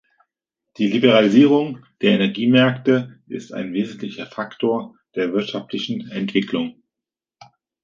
Die Liberalisierung der Energiemärkte ist ein wesentlicher Faktor der wirtschaftlichen Entwicklung.